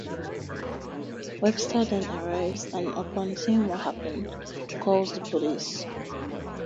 Webster then arrives and upon seeing what happened, calls the police.